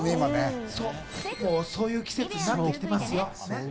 そういう季節になってますよ。